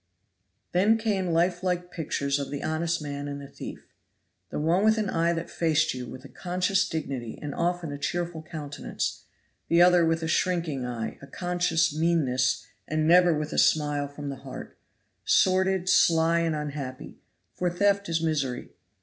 Then came life like pictures of the honest man and the thief. The one with an eye that faced you, with a conscious dignity and often a cheerful countenance; the other with a shrinking eye, a conscious meanness, and never with a smile from the heart; sordid, sly and unhappy for theft is misery.